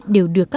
đều được tổ chức